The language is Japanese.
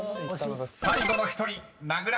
［最後の１人名倉